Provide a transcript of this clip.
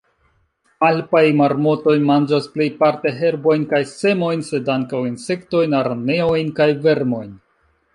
Alpaj marmotoj manĝas plejparte herbojn kaj semojn, sed ankaŭ insektojn, araneojn kaj vermojn.